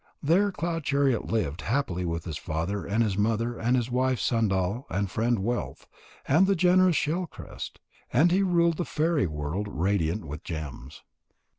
There Cloud chariot lived happily with his father and his mother and his wife Sandal and Friend wealth and the generous Shell crest. And he ruled the fairy world radiant with gems.